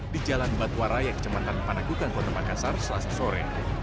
di jalan batuwaraya kecamatan panakukan kota makassar selasa sore